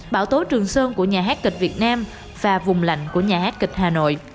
bảo tố trường sơn của nhà hát kịch việt nam và vùng lạnh của nhà hát kịch hà nội